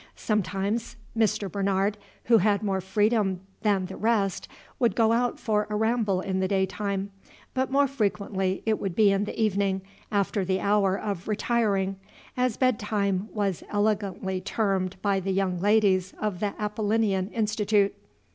Sometimes Mr. Bernard, who had more freedom than the rest, would go out for a ramble in the daytime, but more frequently it would be in the evening, after the hour of "retiring," as bedtime was elegantly termed by the young ladies of the Apollinean Institute.